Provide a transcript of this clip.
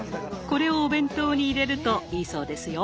これをお弁当に入れるといいそうですよ。